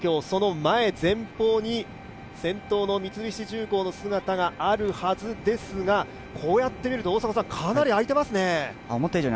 その前方に先頭の三菱重工の姿があるはずですが、こうやって見るとかなりあいてますね。